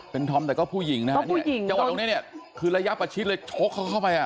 เป็นธอมแต่ก็ผู้หญิงนะฮะจังหวัดตรงนี้เนี่ยคือระยะประชิดเลยชกเขาเข้าไปอ่ะ